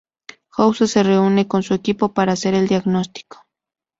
House se reúne con su equipo para hacer el diagnóstico.